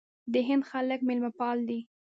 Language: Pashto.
د هند خلک میلمه پال دي.